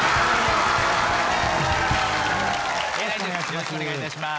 よろしくお願いします。